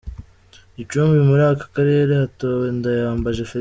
Gicumbi: Muri aka karere hatowe Ndayambaje Felix.